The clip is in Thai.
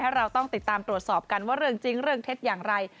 เราต้องติดตามตรวจสอบกันว่าเรื่องจริงเรื่องเท็จอย่างไร